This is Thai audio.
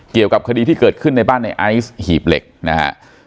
เกี่ยวกับคดีที่เกิดขึ้นในบ้านในไอซ์หีบเหล็กนะฮะ